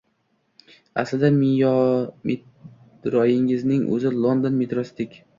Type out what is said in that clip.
Aslida metroyingizning oʻzi London metrosidek